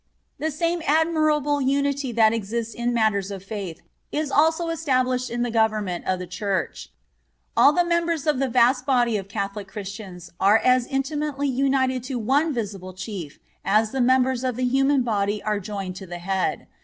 (28) The same admirable unity that exists in matters of faith is also established in the government of the Church. All the members of the vast body of Catholic Christians are as intimately united to one visible Chief as the members of the human body are joined to the head.